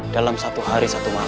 dalam satu hari satu hari